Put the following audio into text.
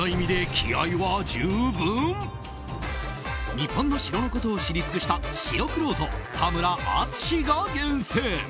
日本の城のことを知り尽くした城くろうと・田村淳が厳選！